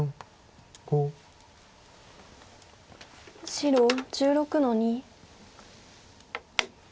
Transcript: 白１６の二。